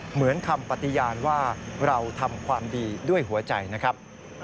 เหมือนคำปฏิญาณว่าเราทำความดีด้วยหัวใจนะครับ